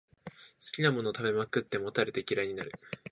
好きなものを食べまくって、もたれて嫌いになる